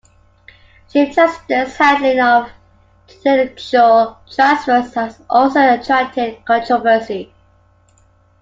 Chief Justice's handling of judicial transfers has also attracted controversy.